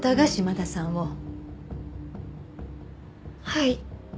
はい。